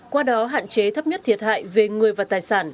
qua đó hạn chế thấp nhất thiệt hại về người và tài sản